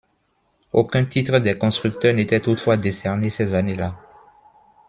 Aucun titre des constructeurs n'était toutefois décerné ces années-là.